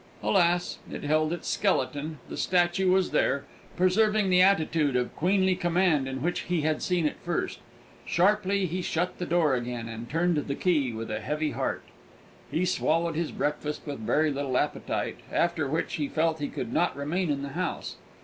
Alas! it held its skeleton the statue was there, preserving the attitude of queenly command in which he had seen it first. Sharply he shut the door again, and turned the key with a heavy heart. He swallowed his breakfast with very little appetite, after which he felt he could not remain in the house.